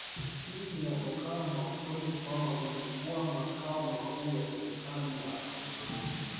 Hii inatokana na ukweli kwamba ulikuwa makao makuu ya serikali ya wakoloni